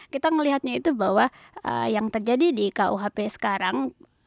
kita melihatnya itu bahwa yang terjadi di kuhp sekarang